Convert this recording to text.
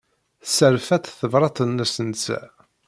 Tesserfa-tt tebṛat-nnes netta.